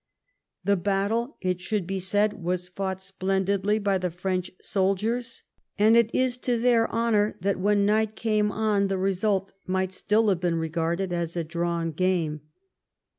The battle, it should be said, was fought splendidly by the French soldiers, and it is to their honor that when night came on the result might still have been regarded as a drawn game.